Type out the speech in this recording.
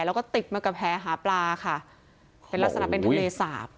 แล้วก็ติดมากับแหหาปลาค่ะเห็นลักษณะเป็นทะเลสาบ